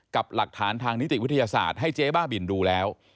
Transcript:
กับหลักฐานทางนิติวิทยาศาสตร์ให้เจ๊บ้าบินดูแล้ว